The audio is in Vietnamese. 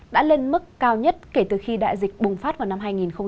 đã lên mức cao nhất kể từ khi đại dịch bùng phát vào năm hai nghìn hai mươi